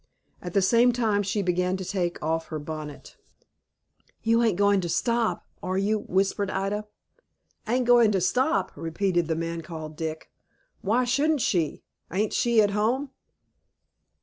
At the same time she began to take off her bonnet. "You ain't going to stop, are you?" whispered Ida. "Ain't going to stop!" repeated the man called Dick. "Why shouldn't she? Ain't she at home?"